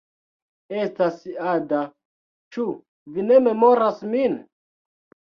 Estas Ada. Ĉu vi ne memoras min?